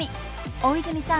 大泉さん